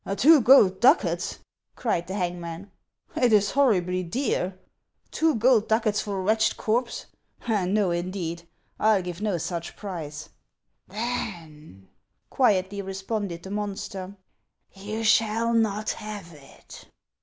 " Two gold ducats !" cried the hangman. " It is hor ribly dear. Two gold ducats for a wretched corpse ! Xo, indeed ! I '11 give no such price." " Then," quietly responded the monster, "you shall not have it."